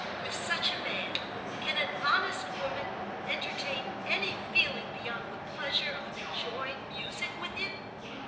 "'With such a man can an honest woman entertain any feeling beyond the pleasure of enjoying music with him?